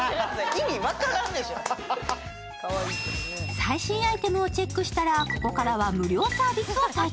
最新アイテムをチェックしたらここからは無料サービスを体験。